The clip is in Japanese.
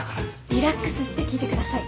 リラックスして聞いて下さい。